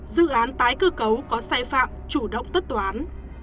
dự án tái cơ cấu có sai phạm chủ động tất toán